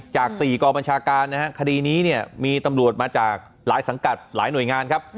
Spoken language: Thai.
จาก๔กองบัญชาการนะฮะคดีนี้เนี่ยมีตำรวจมาจากหลายสังกัดหลายหน่วยงานครับ